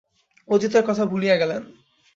অতীতের কথা ভুলিয়া গেলেন।